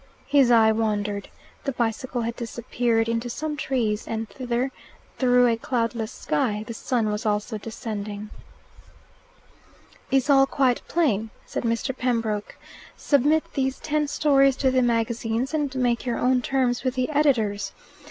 His eye wandered. The bicycle had disappeared into some trees, and thither, through a cloudless sky, the sun was also descending. "Is all quite plain?" said Mr. Pembroke. "Submit these ten stories to the magazines, and make your own terms with the editors.